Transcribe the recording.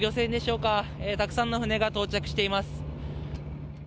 たくさんの船が到着しています。